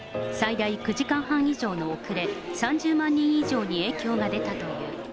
最大９時間半以上の遅れ、３０万人以上に影響が出たという。